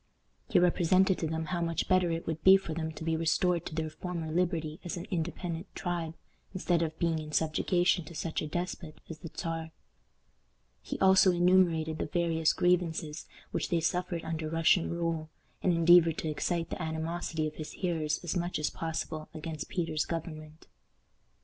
He represented to them how much better it would be for them to be restored to their former liberty as an independent tribe, instead of being in subjugation to such a despot as the Czar. He also enumerated the various grievances which they suffered under Russian rule, and endeavored to excite the animosity of his hearers as much as possible against Peter's government.